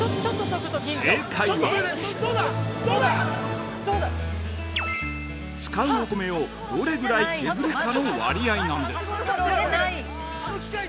◆正解は使うお米をどれぐらい削るかの割合なんです。